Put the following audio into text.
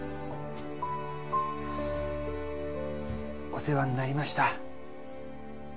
お世話になりました